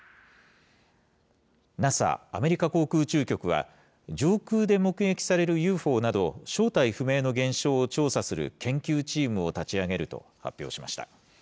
ＮＡＳＡ・アメリカ航空宇宙局は、上空で目撃されるＵＦＯなど、正体不明の現象を調査する研究チームを立ち上げると発表しました。